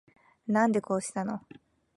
なんでこうしたの